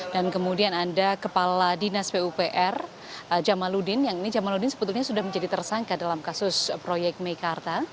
dan kemudian ada kepala dinas pupr jamaludin yang ini jamaludin sebetulnya sudah menjadi tersangka dalam kasus proyek mekarta